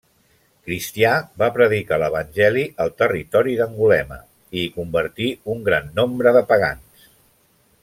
Cristià, va predicar l'evangeli al territori d'Angulema i hi convertí un gran nombre de pagans.